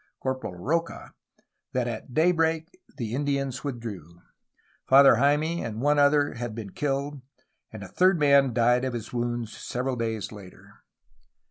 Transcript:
Corporal Rocha, that at day break the Indians withdrew. Father Jayme and one other had been killed, and a third man died of his wounds several days later.